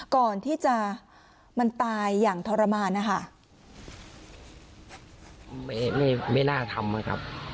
ก่อนที่จะมันตายอย่างทรมานนะคะ